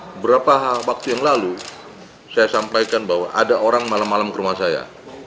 beberapa waktu yang lalu saya sampaikan bahwa ada orang malam malam ke rumah saya